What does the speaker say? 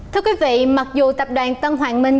thưa quý vị mặc dù tập đoàn tân hoàng minh